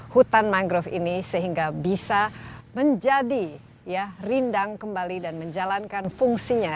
hutan mangrove ini sehingga bisa menjadi rindang kembali dan menjalankan fungsinya